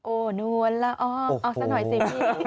โอ้น้วนละเอาสักหน่อยสิพี่